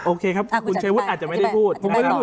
โอเคครับคุณเชวุดอาจจะไม่ได้พูด